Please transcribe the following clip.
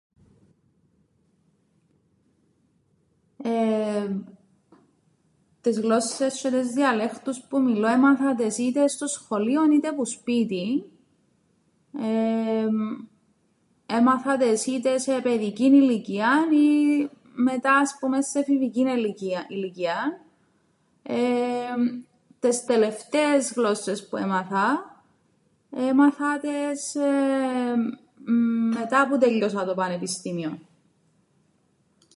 Εεεμ, τες γλώσσες τζ̆αι τες διαλέκτους που μιλώ έμαθα τες είτε στο σχολείο είτε που σπίτιν, εεεμ έμαθα τες είτε σε παιδικήν ηλικίαν ή μετά ας πούμεν σε εφηβικήν ηλικία- ηλικίαν, εεεμ τες τελευταίες γλώσσες που έμαθα, έμαθα τες μετά που 'τέλειωσα το πανεπιστήμιον.